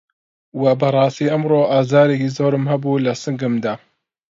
وە بەڕاستی ئەمڕۆ ئازارێکی زۆرم هەبوو لە سنگمدا